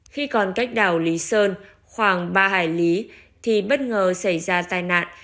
khi còn cách đảo lý sơn khoảng ba hải lý thì bất ngờ xảy ra tai nạn